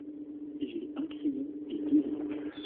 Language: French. J'ai un crayon et deux livres.